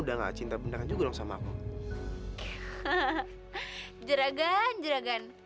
hahaha juragan juragan